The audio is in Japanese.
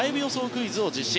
クイズを実施。